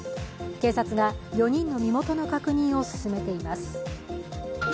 警察が４人の身元の確認を進めています。